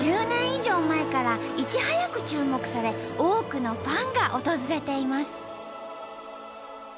１０年以上前からいち早く注目され多くのファンが訪れています。